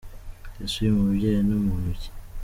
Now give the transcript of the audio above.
Ese uyu mubyeyi ni muntu ki?